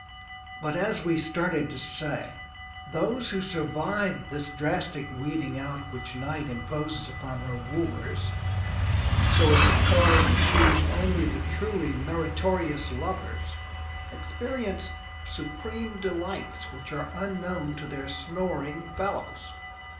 But, as we started to say, those who survive this drastic weeding out which Night imposes upon her wooers so as to cull and choose only the truly meritorious lovers experience supreme delights which are unknown to their snoring fellows.